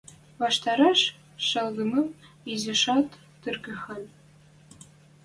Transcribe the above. Ваштареш шалгымым изишӓт тырхыде.